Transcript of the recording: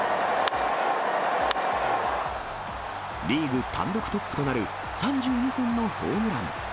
リーグ単独トップとなる３２本のホームラン。